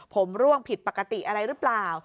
ผมร่วงผิดปกติอะไรหรือเปล่า